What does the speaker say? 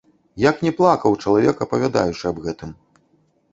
Як не плакаў чалавек, апавядаючы аб гэтым!